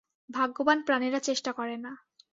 ভাগ্যবান প্রাণীরা চেষ্টা করে না।